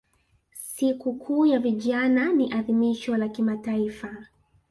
Siku kuu ya vijana ni adhimisho la kimataifa